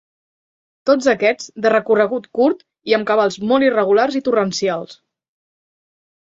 Tots aquests, de recorregut curt i amb cabals molt irregulars i torrencials.